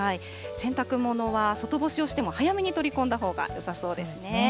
洗濯物は外干しをしても、早めに取り込んだほうがよさそうですね。